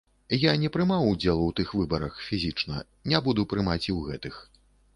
Я не прымаў удзел у тых выбарах, фізічна, не буду прымаць і ў гэтых.